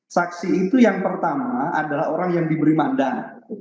saksi itu yang pertama adalah orang yang diberi mandat